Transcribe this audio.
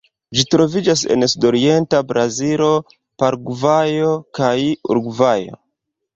Ĝi troviĝas en sudorienta Brazilo, Paragvajo kaj Urugvajo.